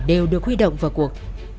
đều được huy động vào cuộc